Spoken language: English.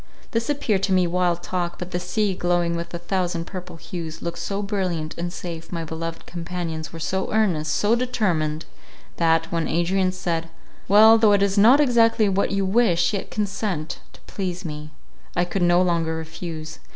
This appeared to me wild talk; but the sea, glowing with a thousand purple hues, looked so brilliant and safe; my beloved companions were so earnest, so determined, that, when Adrian said, "Well, though it is not exactly what you wish, yet consent, to please me"—I could no longer refuse.